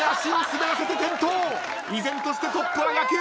依然としてトップは野球部。